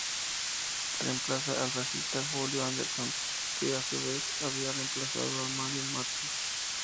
Reemplaza al bajista Julio Anderson, que a su vez había reemplazado a Mario Mutis.